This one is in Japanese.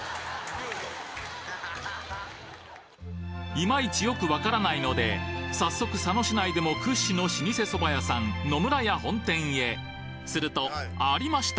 いまいちよく分からないので早速佐野市内でも屈指の老舗そば屋さんするとありました！